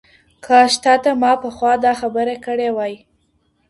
کاش تاته ما پخوا دا خبره کړې وای.